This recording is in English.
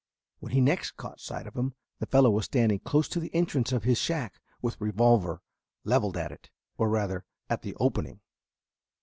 When he next caught sight of him, the fellow was standing close to the entrance of his shack with revolver leveled at it, or rather at the opening.